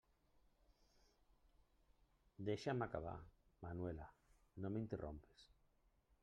Deixa'm acabar, Manuela; no m'interrompes.